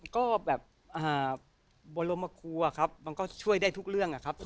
ก็แบบบรมครัวครับมันก็ช่วยได้ทุกเรื่องอะครับ